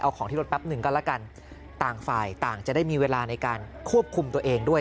เอาของที่รถแป๊บหนึ่งก็แล้วกันต่างฝ่ายต่างจะได้มีเวลาในการควบคุมตัวเองด้วย